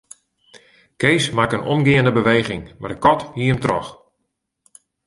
Kees makke in omgeande beweging, mar de kat hie him troch.